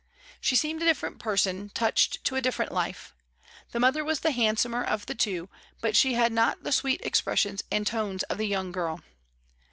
She seemed a different person touched to a different life. The mother was the handsomer of the two, but she had not the sweet expressions and tones of the young girl.